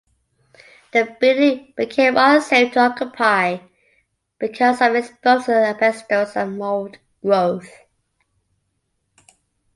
The building became unsafe to occupy because of exposed asbestos and mold growth.